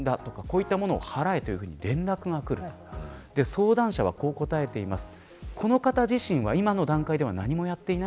相談者はこう答えています。